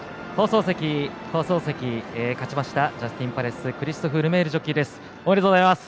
放送席、勝ちましたジャスティンパレスクリストフ・ルメールジョッキーです。